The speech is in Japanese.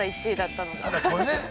１位だったので。